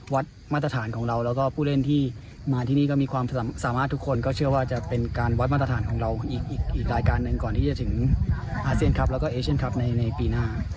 มาตรฐานของเราแล้วก็ผู้เล่นที่มาที่นี่ก็มีความสามารถทุกคนก็เชื่อว่าจะเป็นการวัดมาตรฐานของเราอีกรายการหนึ่งก่อนที่จะถึงอาเซียนครับแล้วก็เอเชียนคลับในปีหน้า